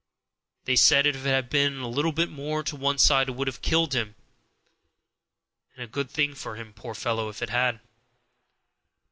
They said if it had been a little more to one side it would have killed him; and a good thing for him, poor fellow, if it had.